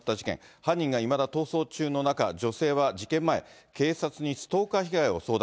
犯人がいまだ逃走中の中、女性は事件前、警察にストーカー被害を相談。